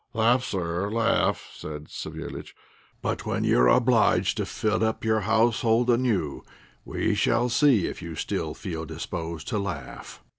"Laugh, sir, laugh," said Savéliitch; "but when you are obliged to fit up your household anew, we shall see if you still feel disposed to laugh."